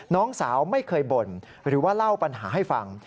น้องสาวไม่เคยบ่นหรือว่าเล่าปัญหาให้ฟัง